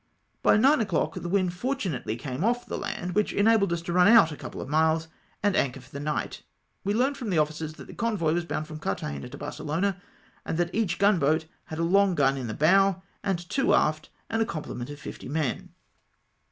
By nine o'clock the wind fortunately came off the land, which enabled us to run out a couple of miles and anchor for the night. We learned from the officers, that the convoy was bound from Cartha gena to Barcelona, and that each gunboat had a long gun in the bow, and two aft, with a complement of 50 men.